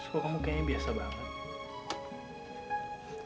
kok kamu kayaknya biasa banget